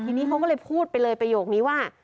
ทีนี้เขาก็เลยพูดไปเลยประโยคนี้ว่า